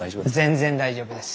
全然大丈夫です。